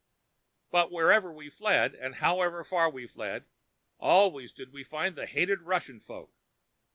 "But wherever we fled, and however far we fled, always did we find the hated Russian folk.